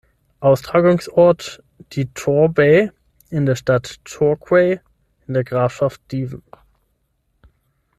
Austragungsort die Tor Bay in der Stadt Torquay in der Grafschaft Devon.